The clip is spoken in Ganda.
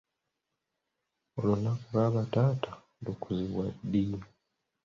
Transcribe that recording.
Olunaku lwa bataata lukuzibwa ddi?